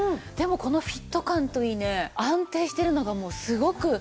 でもこのフィット感といいね安定してるのがもうすごく。